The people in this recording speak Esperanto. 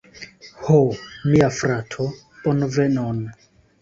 Ho, mia frato, bonvenon